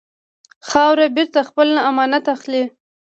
خاوره بېرته خپل امانت اخلي.